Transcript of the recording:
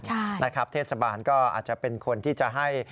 ใช่นะครับเทศบาลก็อาจจะเป็นคนที่จะให้